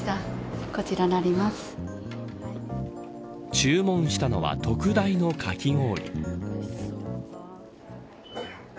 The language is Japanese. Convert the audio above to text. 注文したのは特大のかき氷。